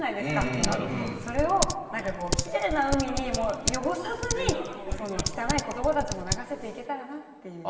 それをなんかこうきれいな海に汚さずに汚い言葉たちも流せていけたらなっていう。